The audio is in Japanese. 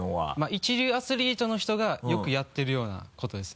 一流アスリートの人がよくやっているような事です。